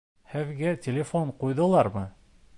Һеҙгә телефон ҡуйҙылармы?